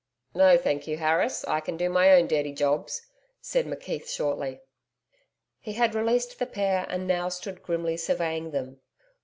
'No, thank you, Harris. I can do my own dirty jobs,' said McKeith shortly. He had released the pair and now stood grimly surveying them.